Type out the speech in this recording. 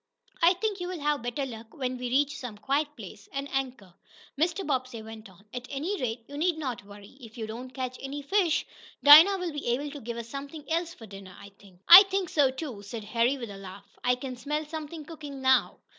"I think you'll have better luck when we reach some quiet place, and anchor," Mr. Bobbsey went on. "At any rate, you need not worry, if you don't catch any fish. Dinah will be able to give us something else for dinner, I think." "I think so, too," said Harry with a laugh. "I can smell something cooking now."